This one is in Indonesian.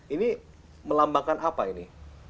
ini melambangkan apa ini